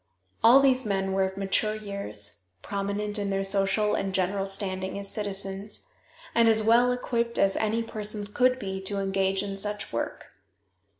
All these men were of mature years, prominent in their social and general standing as citizens, and as well equipped as any persons could be to engage in such work.